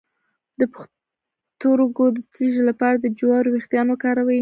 د پښتورګو د تیږې لپاره د جوارو ویښتان وکاروئ